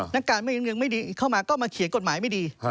นักการเมืองไม่ดีเข้ามาก็มาเขียนกฎหมายไม่ดี